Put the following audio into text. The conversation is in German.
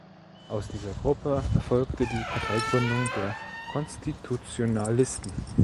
Aus dieser Gruppe erfolgte die Parteigründung der Konstitutionalisten.